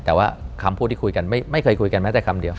แต่ว่าคำพูดที่คุยกันไม่เคยคุยกันแม้แต่คำเดียว